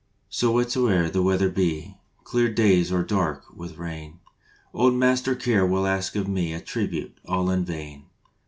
So whatsoe er the weather be, Clear days or dark with rain, Old Master Care will ask of me A tribute all in vain.